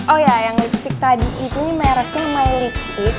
oh ya yang lipstick tadi ini mereknya my lipstick